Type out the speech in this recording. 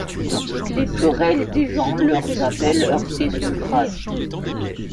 Les querelles des gens, leurs appels heurtaient son crâne.